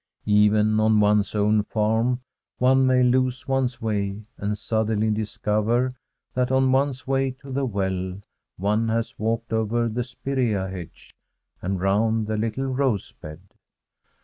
Even on one's own farm one may lose one's way, and suddenly discover that on one's way to the well one has walked over the spirea hedge and round the little rose bed.